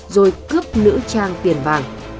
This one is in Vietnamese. rồi cướp nữ trang tiền vàng